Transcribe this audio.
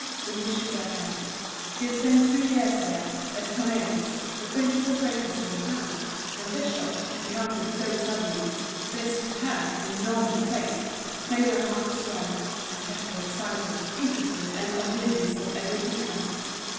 Denise shook her head. She had spent two years there, at Cornaille's, the principal draper's in the town, and this shop, encountered so suddenly—this, to her, enormous place, made her heart swell, and kept her excited, interested, and oblivious of everything else.